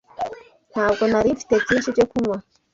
Ntabwo nari mfite byinshi byo kunywa.